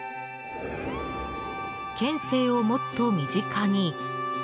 「県政をもっと身近に」